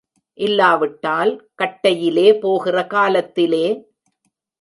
இல்லாவிட்டால் கட்டையிலே போகிற காலத்திலே.